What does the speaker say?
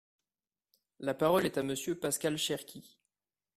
La parole est à Monsieur Pascal Cherki.